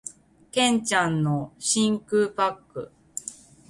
剣ちゃんの真空パック